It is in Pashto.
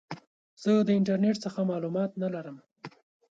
زه د انټرنیټ څخه معلومات نه لرم.